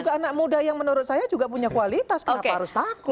juga anak muda yang menurut saya juga punya kualitas kenapa harus takut